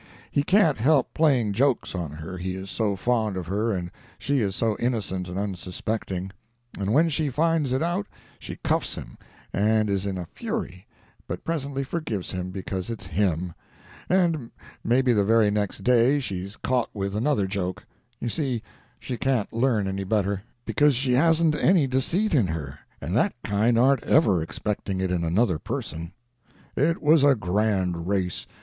He can't help playing jokes on her, he is so fond of her and she is so innocent and unsuspecting; and when she finds it out she cuffs him and is in a fury, but presently forgives him because it's him; and maybe the very next day she's caught with another joke; you see she can't learn any better, because she hasn't any deceit in her, and that kind aren't ever expecting it in another person. "It was a grand race.